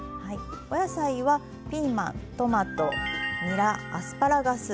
お野菜はピーマントマトにらアスパラガス。